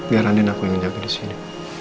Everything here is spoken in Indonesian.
biar andin aku yang jaga di sini